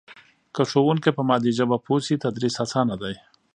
که ښوونکی په مادي ژبه پوه سي تدریس اسانه دی.